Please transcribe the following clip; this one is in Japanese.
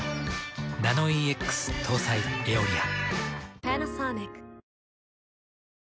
ナノイーＸ搭載「エオリア」。